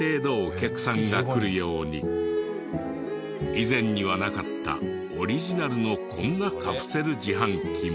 以前にはなかったオリジナルのこんなカプセル自販機も。